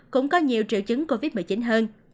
cũng có nhiều triệu chứng covid một mươi chín hơn